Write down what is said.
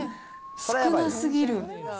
少なすぎる。